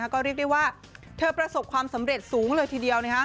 ก็เรียกได้ว่าเธอประสบความสำเร็จสูงเลยทีเดียว